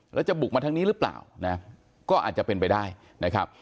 แล้วจะบุกมาทางนี้หรือเปล่านะก็อาจจะเป็นไปได้นะครับ